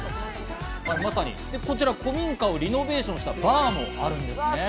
こちら古民家をリノベーションしたバーもあるんです。